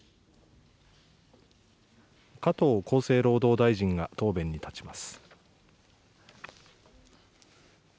加藤厚生労働大臣が答弁に立ちます。